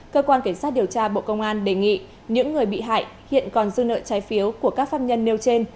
cơ quan cảnh sát điều tra bộ công an đề nghị những người bị hại hiện còn dư nợ trái phiếu của các pháp nhân nêu trên